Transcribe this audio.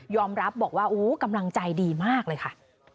รับบอกว่าโอ้กำลังใจดีมากเลยค่ะ